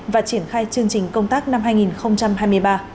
và triển khai chương trình công tác năm hai nghìn hai mươi ba